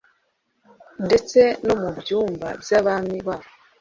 ndetse no mu byumba by'abami babo